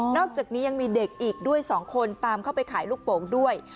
อกจากนี้ยังมีเด็กอีกด้วย๒คนตามเข้าไปขายลูกโป่งด้วย